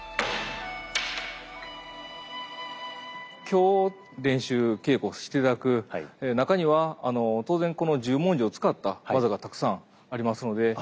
今日練習稽古して頂く中には当然この十文字を使った技がたくさんありますので。